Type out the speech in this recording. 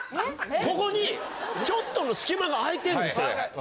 ここにちょっとの隙間が開いてんですよ。